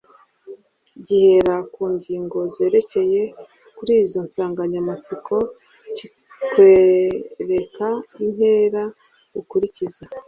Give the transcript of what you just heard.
gihera ku ngingo zerekeye kuri izo nsanganyamatsiko kikwereka intera ukurikiza